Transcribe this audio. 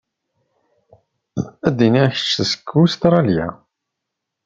Ad iniɣ kečč seg Ustṛalya.